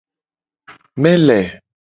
Mele.